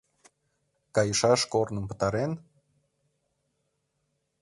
Кайышаш корным пытарен?